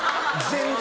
全然。